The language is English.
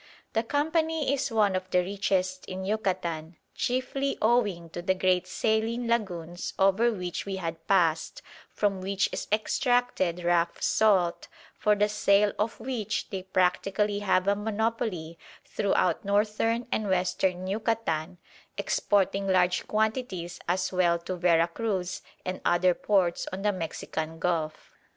The company is one of the richest in Yucatan, chiefly owing to the great saline lagoons over which we had passed, from which is extracted rough salt, for the sale of which they practically have a monopoly throughout Northern and Western Yucatan, exporting large quantities as well to Vera Cruz and other ports on the Mexican gulf.